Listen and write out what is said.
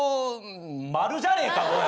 丸じゃねえかおい。